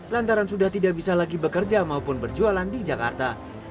lantaran sudah tidak bisa lagi bekerja maupun berjualan di jakarta